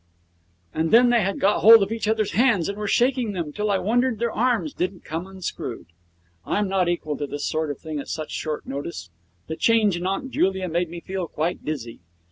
And then they had got hold of each other's hands and were shaking them till I wondered their arms didn't come unscrewed. I'm not equal to this sort of thing at such short notice. The change in Aunt Julia made me feel quite dizzy.